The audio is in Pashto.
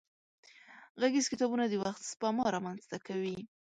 غږيز کتابونه د وخت سپما را منځ ته کوي.